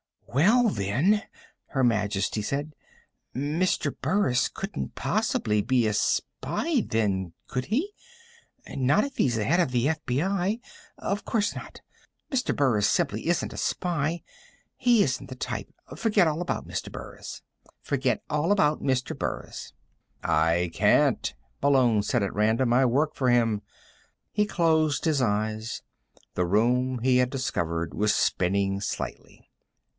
"Well, then," Her Majesty said, "Mr. Burris couldn't possibly be a spy, then, could he? Not if he's the head of the FBI. Of course not. Mr. Burris simply isn't a spy. He isn't the type. Forget all about Mr. Burris." "I can't," Malone said at random. "I work for him." He closed his eyes. The room, he had discovered, was spinning slightly.